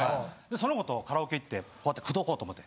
その子とカラオケ行って口説こうと思って。